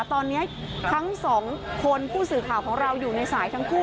ตอนนี้ทั้งสองคนผู้สื่อข่าวของเราอยู่ในสายทั้งคู่